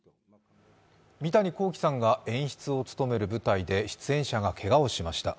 三谷幸喜さんが演出を務める舞台で出演者がけがをしました。